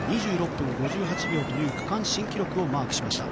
２６分５８秒という区間新記録をマークしました。